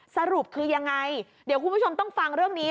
สรุปคือยังไงเดี๋ยวคุณผู้ชมต้องฟังเรื่องนี้